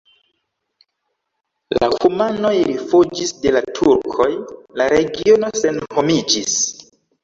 La kumanoj rifuĝis de la turkoj, la regiono senhomiĝis.